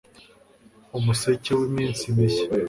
umuseke w'iminsi mishya